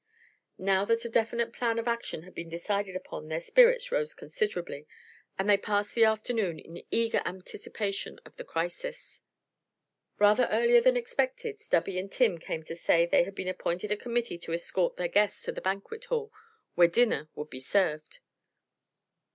Now that a definite plan of action had been decided upon their spirits rose considerably, and they passed the afternoon in eager anticipation of the crisis. Rather earlier than expected Stubby and Tim came to say "they had been appointed a committee to escort their guests to the banquet hall, where dinner would at once be served."